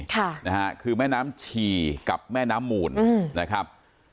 ค่ะนะฮะคือแม่น้ำชีกับแม่น้ำมูลอืมนะครับ